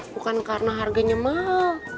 bukan karena harganya mahal